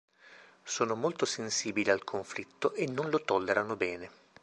Sono molto sensibili al conflitto e non lo tollerano bene.